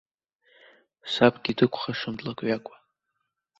Сабгьы дықәхашам длак-ҩакуа.